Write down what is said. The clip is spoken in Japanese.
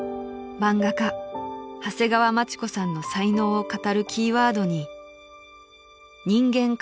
［漫画家長谷川町子さんの才能を語るキーワードに］